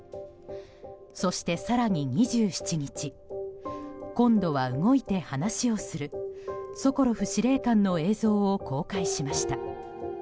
そして更に２７日今度は動いて話をするソコロフ司令官の映像を公開しました。